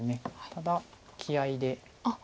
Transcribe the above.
ただ気合いで。